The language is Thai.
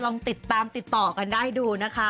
ลองติดตามติดต่อกันได้ดูนะคะ